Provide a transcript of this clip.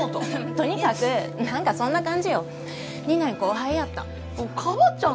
とにかくなんかそんな感じよ２年後輩やったカワちゃん